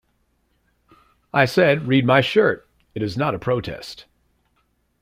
I said, 'Read my shirt, it is not a protest.